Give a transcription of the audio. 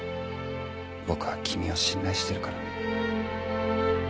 僕は君を信頼してるからね。